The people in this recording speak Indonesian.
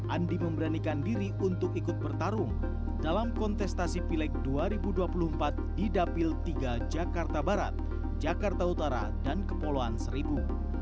andi memberanikan diri untuk ikut bertarung dalam kontestasi pilek dua ribu dua puluh empat di dapil tiga jakarta barat jakarta utara dan kepulauan seribu